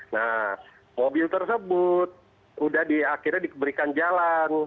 nah mobil tersebut sudah akhirnya diberikan jalan